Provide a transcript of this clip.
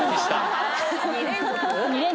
２連続。